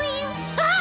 あっ！